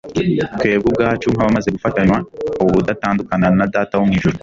twebwe ubwacu nk’abamaze gufatanywa ubudatandukana na Data wo mu ijuru